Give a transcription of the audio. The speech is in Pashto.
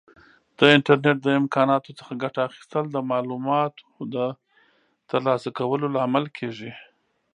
د انټرنیټ د امکاناتو څخه ګټه اخیستل د معلوماتو د ترلاسه کولو لامل کیږي.